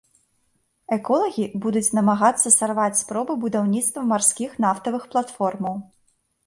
Эколагі будуць намагацца сарваць спробы будаўніцтва марскіх нафтавых платформаў.